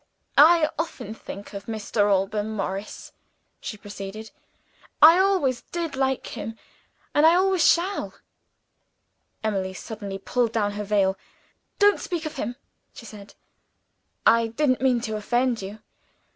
"I often think of Mr. Alban Morris," she proceeded. "I always did like him, and I always shall." Emily suddenly pulled down her veil. "Don't speak of him!" she said. "I didn't mean to offend you."